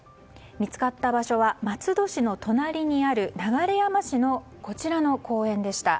見つかった場所は松戸市の隣にある流山市のこちらの公園でした。